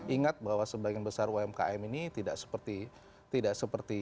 ingat bahwa sebagian besar umkm ini tidak seperti